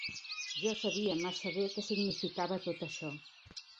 Jo sabia massa bé què significava tot això.